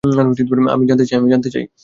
আমি জানতে চাই।